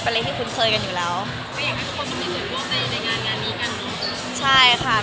จริงว่านายอยู่ในงานอยู่ในงานนี้ก็คงหลวง